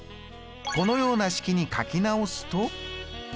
このような式に書き直すと。